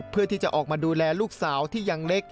เพื่อที่จะออกมาดูแลลูกสาวที่ยังเล็ก